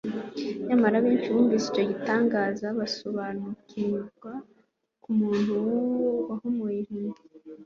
Nyamara benshi bumvise icyo gitangaza basobanukimva ko umuntu wahumuye impumyi,